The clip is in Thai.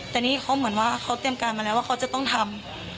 แต่นี่เขาเหมือนว่าเขาเตรียมการมาแล้วว่าเขาจะต้องทำ